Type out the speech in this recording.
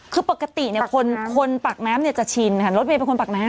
คือปกติคนปักน้ำจะชินรถเบยเป็นคนปักน้ำ